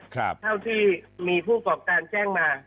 เท่าที่มีผู้กรอบการแจ้งมา